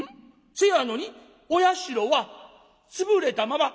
せやのにお社は潰れたまま」。